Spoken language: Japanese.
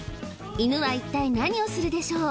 犬は一体何をするでしょう？